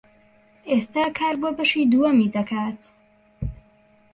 ئێستا کار بۆ بەشی دووەمی دەکات.